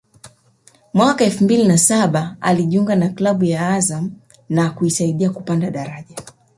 mwaka elfu mbili na saba alijiunga na klabu ya Azam na kuisaidia kupanda daraja